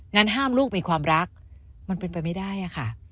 งั้นห้ามลูกมีความรักมันเป็นไปไม่ได้อะค่ะ